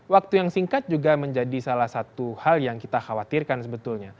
waktu yang singkat juga menjadi salah satu hal yang kita khawatirkan sebetulnya